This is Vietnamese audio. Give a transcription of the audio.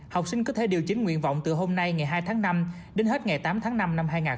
học sinh có thể điều chỉnh nguyện vọng từ hôm nay ngày hai tháng năm đến hết ngày tám tháng năm năm hai nghìn hai mươi bốn